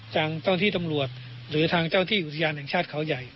เจ้าที่ตำรวจหรือทางเจ้าที่อุทยานแห่งชาติเขาใหญ่